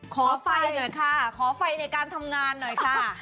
ขอไฟหน่อยค่ะขอไฟในการทำงานหน่อยค่ะ